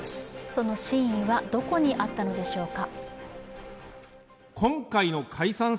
その真意はどこにあったのでしょうか。